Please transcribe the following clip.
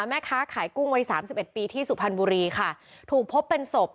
แม่ค้าขายกุ้งวัยสามสิบเอ็ดปีที่สุพรรณบุรีค่ะถูกพบเป็นศพ